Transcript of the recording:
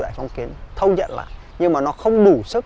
đại phong kiến thâu nhận lại nhưng mà nó không đủ sức